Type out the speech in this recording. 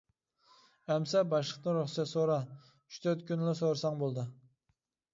ئەمىسە، باشلىقتىن رۇخسەت سورا، ئۈچ، تۆت كۈنلا سورىساڭ بولىدۇ.